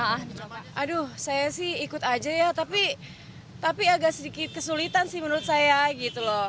aduh saya sih ikut aja ya tapi agak sedikit kesulitan sih menurut saya gitu loh